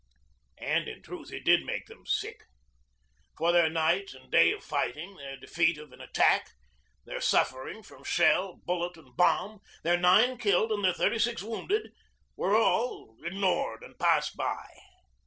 And in truth it did make them 'sick.' For their night and day of fighting their defeat of an attack, their suffering under shell, bullet, and bomb, their nine killed and their thirty six wounded were all ignored and passed by.